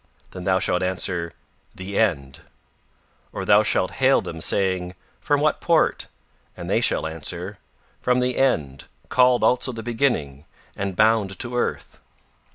then thou shalt answer: 'The End.' Or thou shalt hail them saying: 'From what port?' And they shall answer: 'From The End called also The Beginning, and bound to Earth.